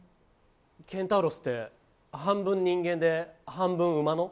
ケンタウロスって半分人間で半分馬の？